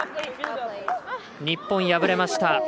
日本破れました。